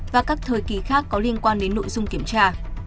và các thời kỳ khác có liên quan đến nội dung kiểm tra